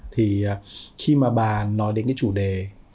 thì khi mà bà nói đến cái chủ đề